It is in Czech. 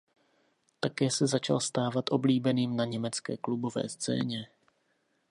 Také se začal stávat oblíbeným na německé klubové scéně.